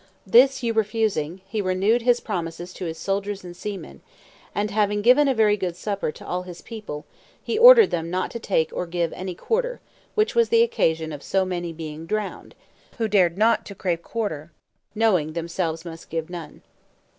This you refusing, he renewed his promises to his soldiers and seamen, and having given a very good supper to all his people, he ordered them not to take or give any quarter, which was the occasion of so many being drowned, who dared not to crave quarter, knowing themselves must give none.